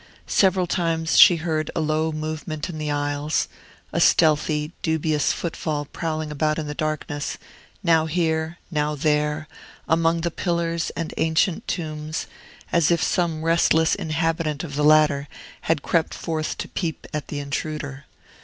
Several times she heard a low movement in the aisles: a stealthy, dubious footfall prowling about in the darkness, now here, now there, among the pillars and ancient tombs, as if some restless inhabitant of the latter had crept forth to peep at the intruder.